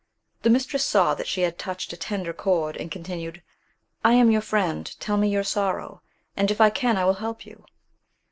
The mistress saw that she had touched a tender chord, and continued, "I am your friend; tell me your sorrow, and, if I can, I will help you."